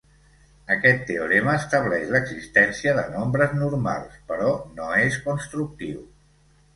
Aquest teorema estableix l'existència de nombres normals, però no és constructiu.